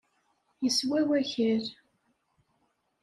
Yeswa wakal.